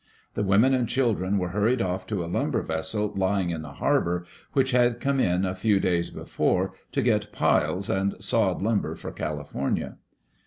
The women and children were hurried off to a lumber vessel lying in the harbor which had come in a few days before to get piles and sawed lumber for California.